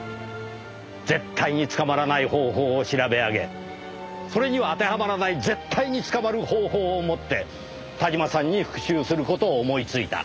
絶対に捕まらない方法を調べ上げそれには当てはまらない絶対に捕まる方法をもって田島さんに復讐する事を思いついた。